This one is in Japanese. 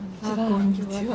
こんにちは。